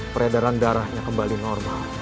peredaran darahnya kembali normal